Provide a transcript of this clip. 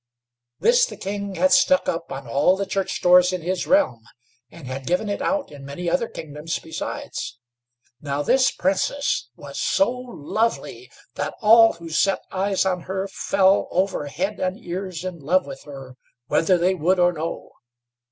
This the King had stuck up on all the church doors in his realm, and had given it out in many other kingdoms besides. Now, this Princess was so lovely that all who set eyes on her fell over head and ears in love with her whether they would or no.